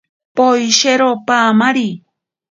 Poeshiro paamarite.